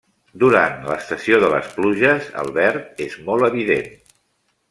Durant l'estació de les pluges el verd és molt evident.